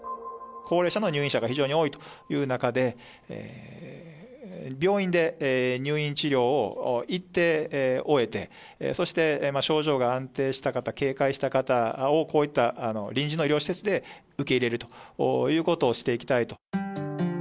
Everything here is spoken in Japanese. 高齢者の入院者が非常に多いという中で、病院で入院治療を一定終えて、そして症状が安定した方、軽快した方を、こういった臨時の医療施設で受け入れるということをしていきたいと。